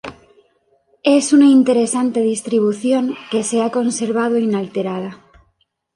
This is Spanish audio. Es una interesante distribución que se ha conservado inalterada.